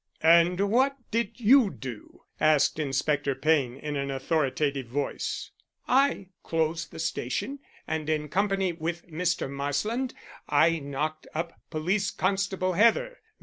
"And what did you do?" asked Inspector Payne, in an authoritative voice. "I closed the station and in company with Mr. Marsland I knocked up Police Constable Heather.